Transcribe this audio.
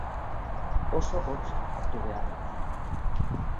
Oso hotz hartu behar da.